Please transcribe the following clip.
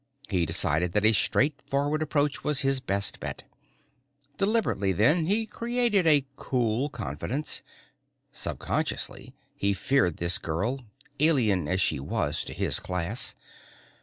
He decided that a straightforward approach was his best bet. Deliberately then he created a cool confidence. Subconsciously he feared this girl, alien as she was to his class.